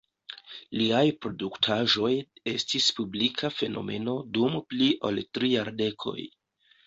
Liaj produktaĵoj estis publika fenomeno dum pli ol tri jardekoj.